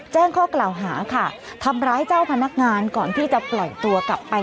แจ้งข้อกล่าวหาค่ะทำร้ายเจ้าพนักงานก่อนที่จะปล่อยตัวกลับไป